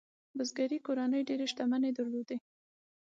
بزګري کورنۍ ډېرې شتمنۍ درلودې.